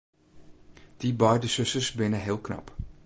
Dy beide susters binne heel knap.